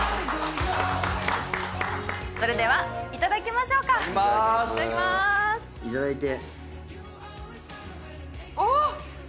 それではいただきましょうかいただいておっ！